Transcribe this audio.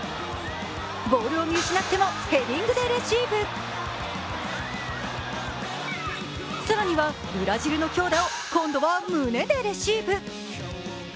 ボールを見失ってもヘディングでレシーブ、更には、ブラジルの強打を今度は胸でレシーブ。